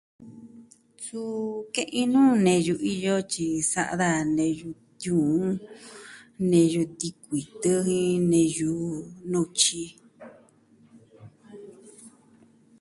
Suu ke'in nuu neyu iyo, tyi sa'a daja neyu tiuun, neyu tikuitɨ jin neyu nutyi.